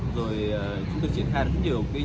rồi chúng tôi triển khai được rất nhiều